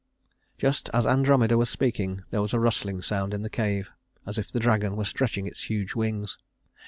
Just as Andromeda was speaking, there was a rustling sound in the cave, as if the dragon were stretching its huge wings.